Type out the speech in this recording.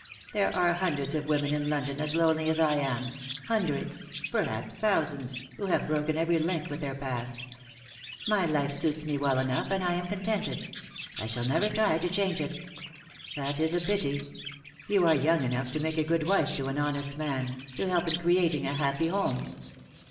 There are hundreds of women in London as lonely as I am — hundreds — perhaps thousands — who have broken every link with their past. My life suits me well enough, and I am contented. I shall never try to change it." "That is a pity. You are young enough to make a good wife to an honest man, to help in creating a happy home."